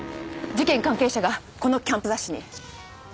事件関係者がこのキャンプ雑誌に。